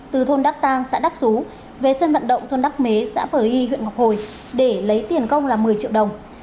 từ thôn đắc tang xã đắc xú về sân vận động thôn đắc mế xã bờ y huyện ngọc hồi để lấy tiền công là một mươi triệu đồng